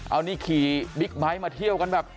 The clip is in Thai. เอานี่ขี่บิ๊กไบท์มาเที่ยวกันแบบ